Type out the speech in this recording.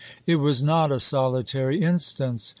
It was not a solitary instance.